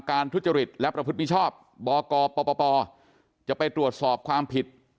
ทุจริตและประพฤติมิชชอบบกปปจะไปตรวจสอบความผิด